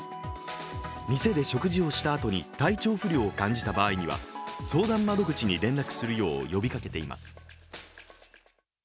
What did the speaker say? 店で食事をしたあとに体調不良を感じた場合には、相談窓口に連絡するよう呼びかけています。